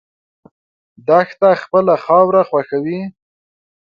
دښته خپله خاوره خوښوي.